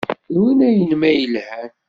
D winna-nnem ay yelhan.